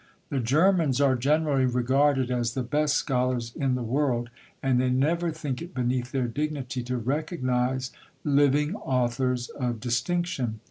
The Germans are generally regarded as the best scholars in the world, and they never think it beneath their dignity to recognise living authors of distinction.